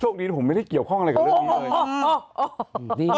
ผมไม่ได้เกี่ยวข้องอะไรกับเรื่องนี้เลย